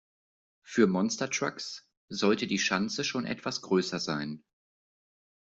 Für Monstertrucks sollte die Schanze schon etwas größer sein.